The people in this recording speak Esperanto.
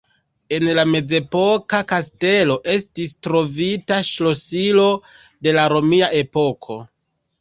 En la mezepoka kastelo estis trovita ŝlosilo de la romia epoko.